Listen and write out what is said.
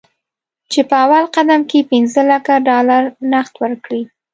چې په اول قدم کې پنځه لکه ډالر نغد ورکړي.